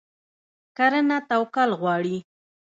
کرنه توکل غواړي.